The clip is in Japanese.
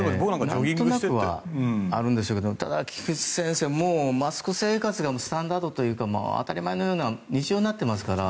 何となくはあるんでしょうがただ菊地先生もうマスク生活でもスタンダードというか当たり前のような日常になってますから。